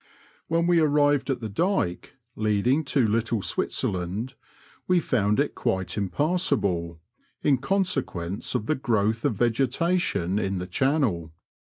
When we arrived at the dyke leading to Little Switzer land we found it quite impassable, in consequence of the growth of vegetation in the channel.